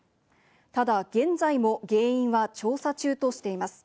ただ、現在も原因は調査中としています。